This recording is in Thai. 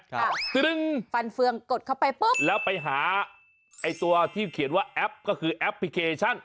ครึ่งฟันเฟืองกดเข้าไปปุ๊บแล้วไปหาไอ้ตัวที่เขียนว่าแอปก็คือแอปพลิเคชัน